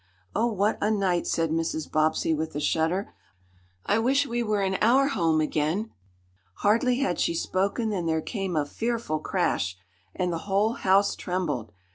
"Oh, what a night!" said Mrs. Bobbsey, with a shudder. "I wish we were in our home again!" Hardly had she spoken than there came a fearful crash, and the whole house trembled.